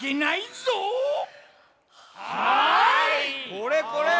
これこれ！